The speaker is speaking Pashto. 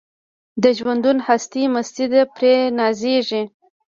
د ژوندون هستي مستي ده پرې نازیږي